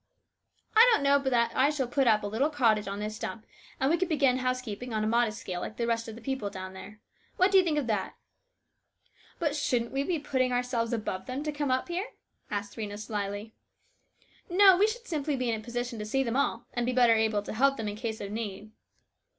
" I don't know but that I shall put up a little cottage on this stump, and we could begin house keeping on a modest scale like the rest of the people down there. What do you think of that ?"" But shouldn't we be putting ourselves above them to come up here ?" asked Rhena slyly. " No, we should simply be in a position to see them all, and be better able to help them in case of need."